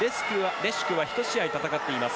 レシュクは１試合戦っています。